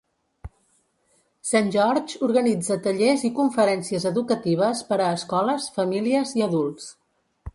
Saint George organitza tallers i conferències educatives per a escoles, famílies i adults.